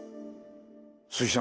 鈴木さん。